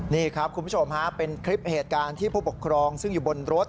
นี่ครับคุณผู้ชมฮะเป็นคลิปเหตุการณ์ที่ผู้ปกครองซึ่งอยู่บนรถ